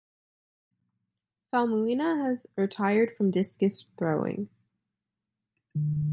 Faumuina has retired from discus throwing.